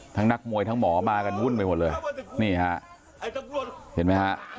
นักมวยทั้งหมอมากันวุ่นไปหมดเลยนี่ฮะเห็นไหมฮะ